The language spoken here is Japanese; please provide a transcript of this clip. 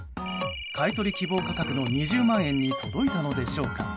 買い取り希望価格の２０万円に届いたのでしょうか。